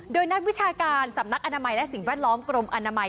โดยนักวิชาการสำนักอนามัยและสิ่งแวดล้อมกรมอนามัย